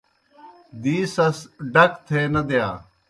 دی سَس ڈک تھے نہ دِیا